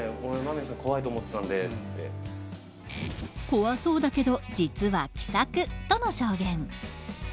怖そうだけど実は気さくとの証言。